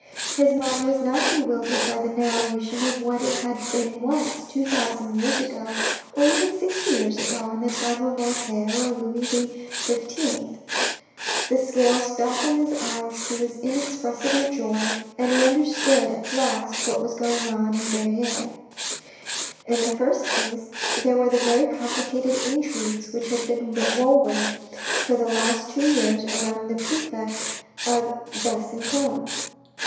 His mind was not bewildered by the narration of what it had been once, two thousand years ago, or even sixty years ago, in the time of Voltaire and Louis XV. The scales fell from his eyes to his inexpressible joy, and he understood at last what was going on in Verrieres. In the first place there were the very complicated intrigues which had been woven for the last two years around the prefect of Besancon.